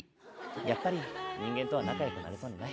やっぱり、人間とは仲よくなれそうもない。